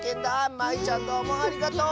まいちゃんどうもありがとう！